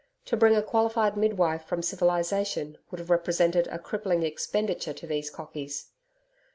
To bring a qualified midwife from civilization would have represented a crippling expenditure to these cockies.